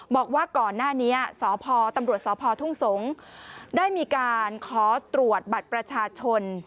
บอกว่าก่อนหน้านี้สพตำรวจสพทุ่งสงศ์ได้มีการขอตรวจบัตรประชาชน